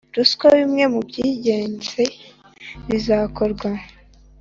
Ruswa bimwe mu by ingenzi bizakorwa